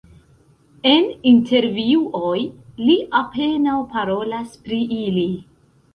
En intervjuoj li apenaŭ parolas pri ili.